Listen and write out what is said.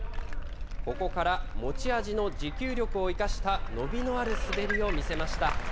ここから持ち味の持久力を生かした伸びのある滑りを見せました。